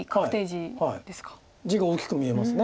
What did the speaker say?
地が大きく見えます。